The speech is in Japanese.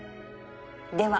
では